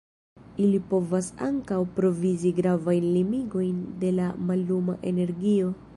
Ili povas ankaŭ provizi gravajn limigojn de la malluma energio.